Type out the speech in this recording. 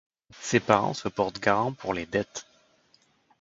Ses parents se portent garants pour les dettes.